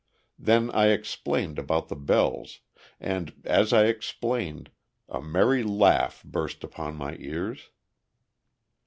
Then I explained about the bells, and as I explained, a merry laugh burst upon my ears.